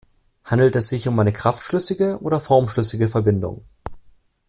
Handelt es sich also um eine kraftschlüssige oder formschlüssige Verbindung?